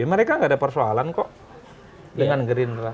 mereka nggak ada persoalan kok dengan gerindra